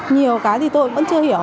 nhiều cái thì tôi vẫn chưa hiểu